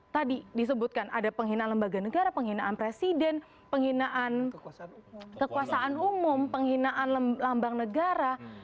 tadi disebutkan ada penghinaan lembaga negara penghinaan presiden penghinaan kekuasaan umum penghinaan lambang negara